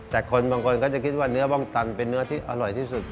แต่คนบางคนก็จะคิดว่าเนื้อบ้องตันเป็นเนื้อที่อร่อยที่สุด